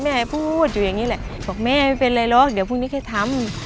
แม่พูดอยู่อย่างนี้แหละบอกแม่ไม่เป็นไรหรอกเดี๋ยวพรุ่งนี้แค่ทำ